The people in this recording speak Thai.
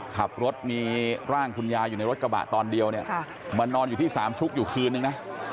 ขับรถมีร่างคุณยายอยู่ในรถกระบะตอนเดียวเนี่ยมานอนอยู่ที่สามชุกอยู่คืนนึงนะ